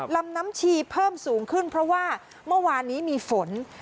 ลำน้ำชีเพิ่มสูงขึ้นเพราะว่าเมื่อวานนี้มีฝน